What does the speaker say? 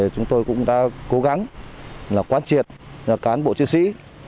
chúng tôi cũng đã cố gắng quan triệt cán bộ chiến sĩ